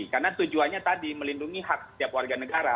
karena tujuannya tadi melindungi hak setiap warga negara